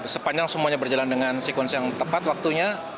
sepanjang semuanya berjalan dengan sekuens yang tepat waktunya